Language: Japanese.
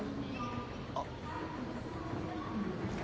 あっ。